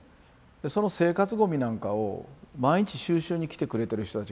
その生活ゴミなんかを毎日収集に来てくれてる人たちがいたわけでしょ。